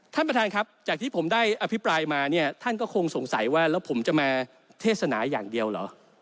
ท่านประธานครับจากที่ผมได้อภิปรายมาเนี่ยท่านก็คงสงสัยว่าแล้วผมจะมาเทศนาอย่างเดียวเหรอ